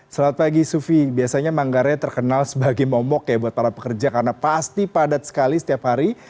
selamat pagi sufi biasanya manggarai terkenal sebagai momok ya buat para pekerja karena pasti padat sekali setiap hari